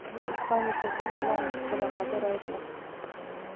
پاڼې تر ژبه لاندې خپله خبره وکړه.